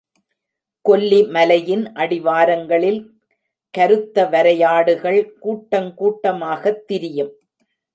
கொல்லி மலையின் அடிவாரங்களில் கருத்த வரையாடுகள் கூட்டங்கூட்டமாகத் திரியும்.